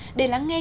chúc mừng năm mới